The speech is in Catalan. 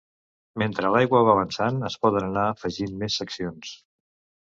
Mentre l'aigua va avançant es poden anar afegint més seccions.